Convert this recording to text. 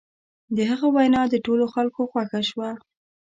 د هغه وینا د ټولو خلکو خوښه شوه.